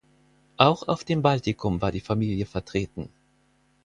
Auch auf dem Baltikum war die Familie vertreten.